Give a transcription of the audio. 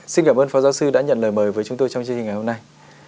xin cảm ơn phó giáo sư đã nhận lời mời với chúng tôi trong chương trình ngày hôm nay